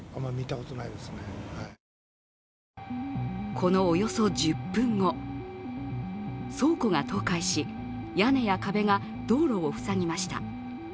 このおよそ１０分後、倉庫が倒壊し屋根や壁が道路を塞ぎました。